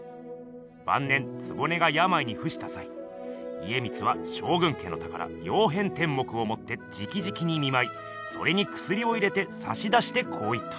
ばん年局がやまいにふしたさい家光は将軍家の宝「曜変天目」をもってじきじきに見まいそれにくすりを入れてさしだしてこう言った。